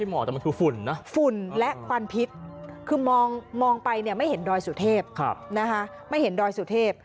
หมอกแต่มันคือฝุ่นนะฝุ่นและควันพิษคือมองไปเนี่ยไม่เห็นดอยสุเทพนะคะไม่เห็นดอยสุเทพ